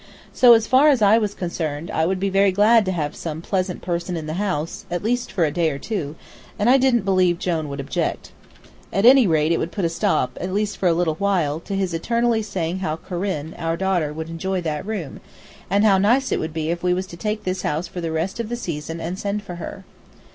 So, as far as I was concerned, I would be very glad to have some pleasant person in the house, at least for a day or two, and I didn't believe Jone would object. At any rate it would put a stop, at least for a little while, to his eternally saying how Corinne, our daughter, would enjoy that room, and how nice it would be if we was to take this house for the rest of the season and send for her.